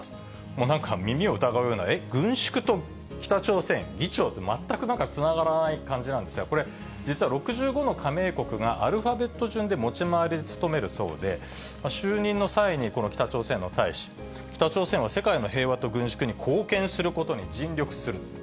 もうなんか耳を疑うような、軍縮と北朝鮮、議長って、全くなんかつながらない感じなんですが、これ、実は６５の加盟国がアルファベット順で持ち回りで務めるそうで、就任の際にこの北朝鮮の大使、北朝鮮は世界の平和と軍縮に貢献することに尽力する。